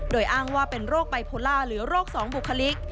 โดยอ้างว่าเป็นโรคไบโพล่าหรือโรคสองบุคลิก